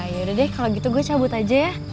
yaudah deh kalau gitu gue cabut aja ya